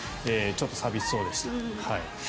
ちょっと寂しそうでした。